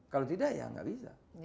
kalau tidak ya nggak bisa